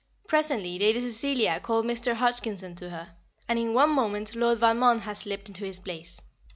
Presently Lady Cecilia called Mr. Hodgkinson to her, and in one moment Lord Valmond had slipped into his place.